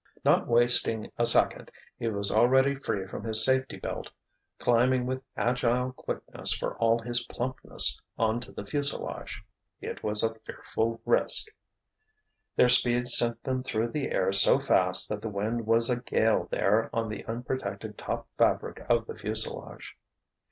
Not wasting a second, he was already free from his safety belt, climbing with agile quickness for all his plumpness, onto the fuselage. It was a fearful risk. Their speed sent them through the air so fast that the wind was a gale there on the unprotected top fabric of the fuselage.